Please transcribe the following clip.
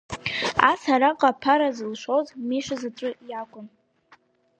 Ас араҟа аԥара зылшоз Миша заҵәык иакәын.